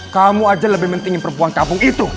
kamu aja lebih pentingin perempuan kampung itu